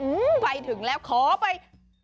อื้มไปถึงแล้วขอไป